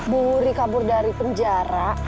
bu wuri kabur dari penjara